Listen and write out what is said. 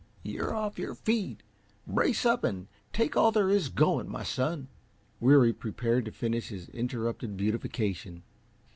"You're off your feed. Brace up and take all there is going, my son." Weary prepared to finish his interrupted beautification.